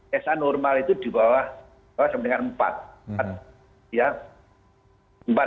psa normal itu di bawah sebandingan empat